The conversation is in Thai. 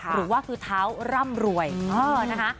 หรือว่าคือเท้าร่ำรวยนะคะ